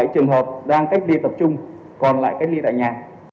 một mươi bảy trường hợp đang cách ly tập trung còn lại cách ly tại nhà